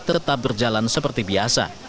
tetap berjalan seperti biasa